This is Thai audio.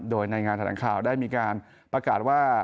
โดยในงานแถลงข่าวได้มีการประกาศว่า